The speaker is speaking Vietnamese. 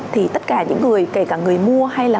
thì tất cả những người kể cả người mua hay là